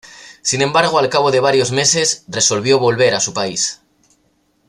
Sin embargo, al cabo de varios meses, resolvió volver a su país.